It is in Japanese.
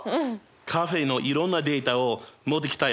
カフェのいろんなデータを持ってきたよ。